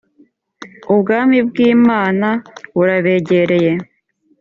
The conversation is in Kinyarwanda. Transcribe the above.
ubwami bw’ imana burabegereye